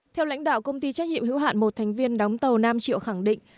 theo lãnh đạo công ty trách nhiệm hữu hạn một thành viên đóng tàu nam triệu khẳng định